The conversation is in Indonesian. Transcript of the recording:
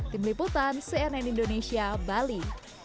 tim liputan cnn indonesia bali